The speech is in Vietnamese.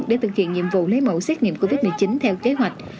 để thực hiện nhiệm vụ lấy mẫu xét nghiệm covid một mươi chín theo kế hoạch